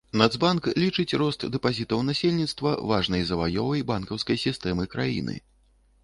Нацбанк лічыць рост дэпазітаў насельніцтва важнай заваёвай банкаўскай сістэмы краіны.